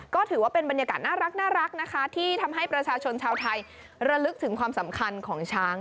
ก็ถือว่าเป็นบรรยากาศน่ารักนะคะที่ทำให้ประชาชนชาวไทยระลึกถึงความสำคัญของช้าง